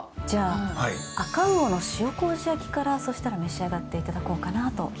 じゃあ赤魚の塩麹焼からそうしたら召し上がっていただこうかなと。